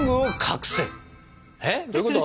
えっどういうこと？